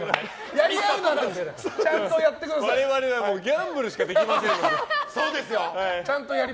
我々、ギャンブルしかできませんので。